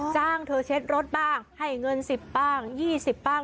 จ้างเธอเช็ดรถบ้างให้เงินสิบบ้างยี่สิบบ้าง